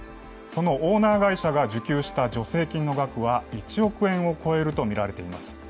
そのオーナー会社が受給した助成金の額は１億円を超えるとみられています。